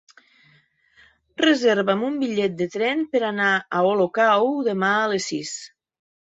Reserva'm un bitllet de tren per anar a Olocau demà a les sis.